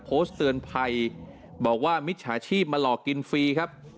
โพสต์เตือนภัยบอกว่ามิจฉาชีพมาหลอกกินฟรีครับ